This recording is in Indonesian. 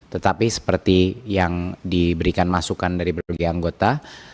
tetapi seperti yang diberikan masukan dari berbagai anggota